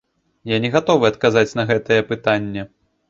Я не гатовы адказаць на гэтае пытанне.